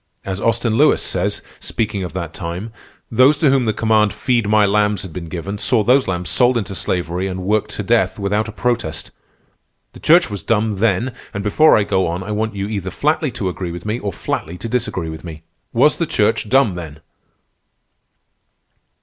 As Austin Lewis says, speaking of that time, those to whom the command 'Feed my lambs' had been given, saw those lambs sold into slavery and worked to death without a protest. The Church was dumb, then, and before I go on I want you either flatly to agree with me or flatly to disagree with me. Was the Church dumb then?"